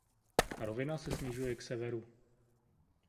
Rovina se snižuje k severu.